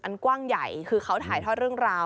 กว้างใหญ่คือเขาถ่ายทอดเรื่องราว